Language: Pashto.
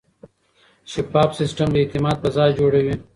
شفاف سیستم د اعتماد فضا جوړوي.